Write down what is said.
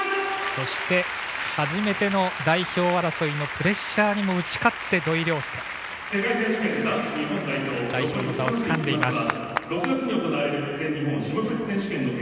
そして初めての代表争いのプレッシャーにも打ち勝って土井陵輔が代表の座をつかんでいます。